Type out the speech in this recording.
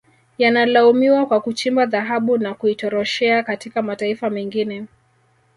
Yanalaumiwa kwa kuchimba dhahabu na kuitoroshea katika mataifa mengine